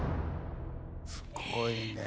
すごいね。